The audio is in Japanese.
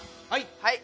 はい。